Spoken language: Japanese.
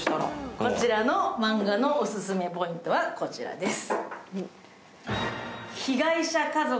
こちらのマンガのオススメポイントはこちらです。